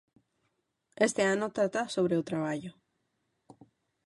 Este ano trata sobre o traballo.